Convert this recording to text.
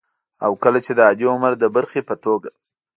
او کله د عادي عمر د برخې په توګه